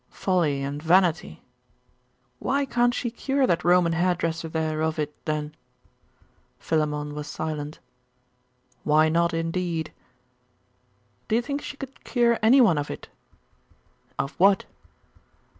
'Folly and vanity.' 'Why can't she cure that Roman hairdresser there of it, then?' Philammon was silent 'Why not, indeed!' 'Do you think she could cure any one of it?' 'Of what?